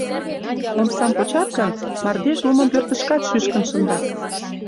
Омсам почат гын, мардеж лумым пӧртышкат шӱшкын шындас».